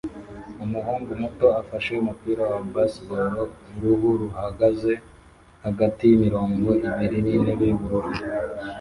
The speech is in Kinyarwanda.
Umuhungu muto afashe umupira wa baseball uruhu ruhagaze hagati yimirongo ibiri yintebe yubururu